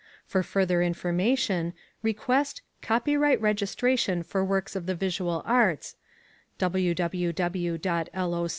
For further information, request "Copyright Registration for Works of the Visual Arts" [http://www.